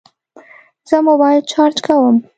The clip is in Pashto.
زه موبایل چارج کوم